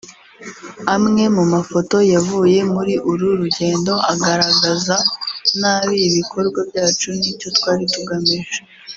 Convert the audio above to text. amwe mu mafoto yavuye muri uru rugendo agaragaza nabi ibikorwa byacu n’icyo twari tugamije